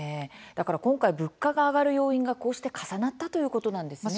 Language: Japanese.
だから今回物価が上がる要因がこうして重なったということなんですね。